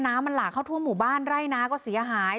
น้ำมันหลากเข้าทั่วหมู่บ้านไร่นาก็เสียหาย